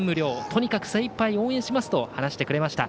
とにかく精いっぱい応援しますと話してくれました。